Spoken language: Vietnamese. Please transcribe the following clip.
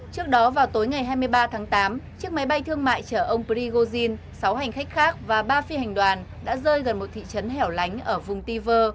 trước đó vào tối ngày hai mươi ba tháng tám chiếc máy bay thương mại chở ông prigozhin sáu hành khách khác và ba phi hành đoàn đã rơi gần một thị trấn hẻo lánh ở vùng tiver